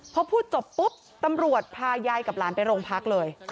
พอพูดจบปุ๊บตำรวจพายายกับหลานไปโรงพักเลย